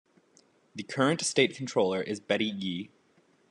The current state controller is Betty Yee.